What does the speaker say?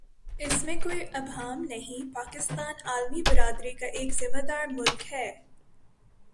اس میں کوئی ابہام نہیں پاکستان عالمی برادری کا ایک ذمہ دارملک ہے۔